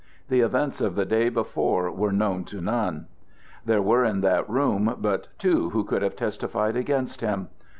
The events of the day before were known to none. There were in that room but two who could have testified against him.